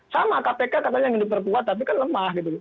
sama kpk katanya ingin diperkuat tapi kan lemah